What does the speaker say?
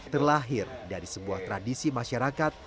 terlahir dari sebuah tradisi masyarakat